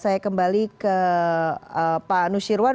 saya kembali ke pak nusirwan